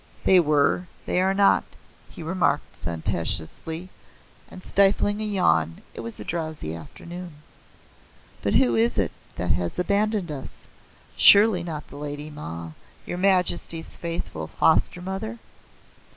"They were; they are not," he remarked sententiously and stifling a yawn; it was a drowsy afternoon. "But who is it that has abandoned us? Surely not the Lady Ma your Majesty's faithful foster mother?"